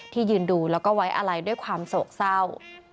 ยืนดูแล้วก็ไว้อะไรด้วยความโศกเศร้า